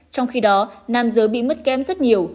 trong khi đó nam giới bị mất kem rất nhiều